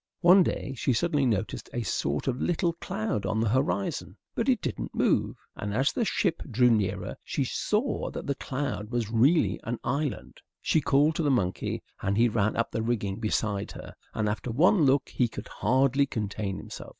One day she suddenly noticed a sort of little cloud on the horizon. But it didn't move, and as the ship drew nearer she saw that the cloud was really an island. She called to the monkey, and he ran up the rigging beside her, and after one look he could hardly contain himself.